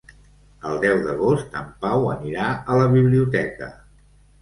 El deu d'agost en Pau anirà a la biblioteca.